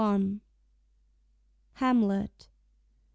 HAMLET.